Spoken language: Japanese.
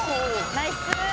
ナイス！